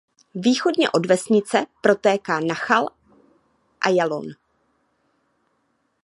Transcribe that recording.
Východně od vesnice protéká Nachal Ajalon.